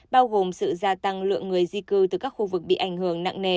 bao gồm sự gia tăng lượng người di cư từ các khu vực bị ảnh hưởng nặng nề